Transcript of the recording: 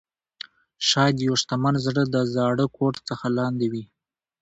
شاید یو شتمن زړه د زاړه کوټ څخه لاندې وي.